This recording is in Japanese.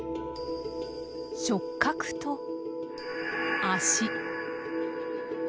触角と脚。